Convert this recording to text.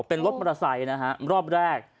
เป็นรถมอเตอร์ไซค์นะฮะรอบแรก